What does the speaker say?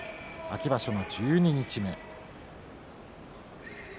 秋場所の十二日目。